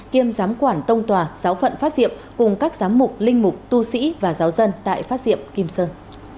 kiêm giám quản tông tòa giáo phận phát diệm cùng các giám mục linh mục tu sĩ và giáo dân tại phát diệm kim sơn